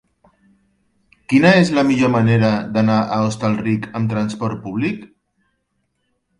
Quina és la millor manera d'anar a Hostalric amb trasport públic?